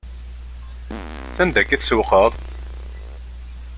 S anda akka i tsewwqeḍ?